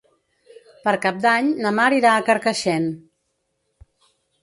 Per Cap d'Any na Mar irà a Carcaixent.